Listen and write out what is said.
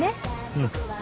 うん。